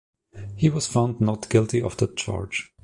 He was found not guilty of that charge.